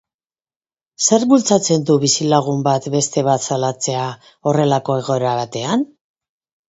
Zerk bultzatzen du bizilagun bat beste bat salatzera horrelako egoera batean?